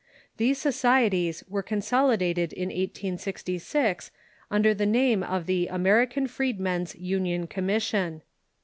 These societies were consolidated in 186G nnder the name of the American Freedmen's Union Commission.